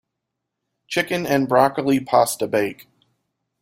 Chicken and broccoli pasta bake.